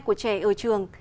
của trẻ ở trường